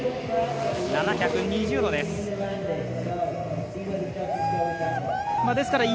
７２０度です。